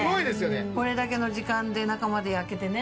これだけの時間で中まで焼けてね。